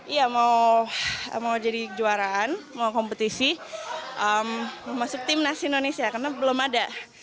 iya mau jadi juaraan mau kompetisi masuk tim nasi indonesia karena belum ada